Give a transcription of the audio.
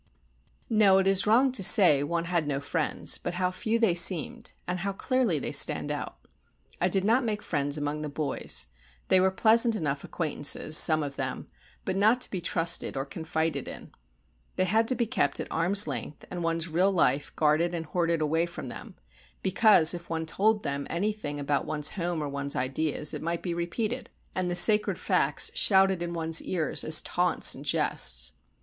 No, it is wrong to say one had no friends, but how few they seemed and how clearly they stand out! I did not make friends among the boys; they were pleasant enough acquaintances, some of them, but not to be trusted or confided in; they had to be kept at arm's length, and one's real life guarded and hoarded away from them; because if one told them anything about one's home or one's ideas, it might be repeated, and the sacred facts shouted in one's ears as taunts and jests.